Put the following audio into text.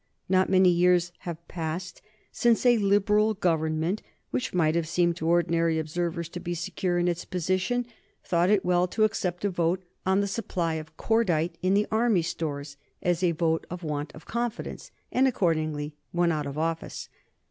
Not many years have passed since a Liberal Government, which might have seemed to ordinary observers to be secure in its position, thought it well to accept a vote on the supply of cordite in the army stores as a vote of want of confidence, and accordingly went out of office.